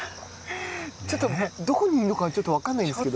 ちょっとどこにいるのか分からないんですけど。